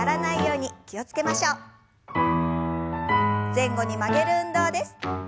前後に曲げる運動です。